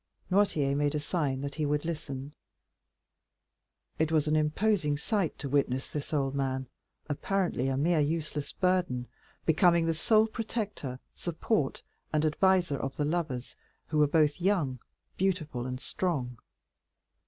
Noirtier made a sign that he would listen. It was an imposing sight to witness this old man, apparently a mere useless burden, becoming the sole protector, support, and adviser of the lovers who were both young, beautiful, and strong.